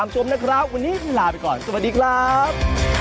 สวัสดีครับ